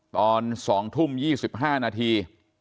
ตอน๒ทุ่ม๒๕นาที